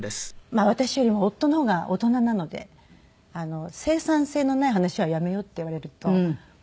私よりも夫の方が大人なので「生産性のない話はやめよう」って言われるとうわ